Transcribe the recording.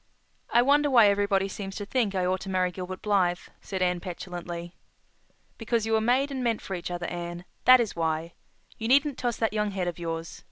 "I wonder why everybody seems to think I ought to marry Gilbert Blythe," said Anne petulantly. "Because you were made and meant for each other, Anne—that is why. You needn't toss that young head of yours.